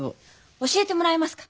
教えてもらえますか？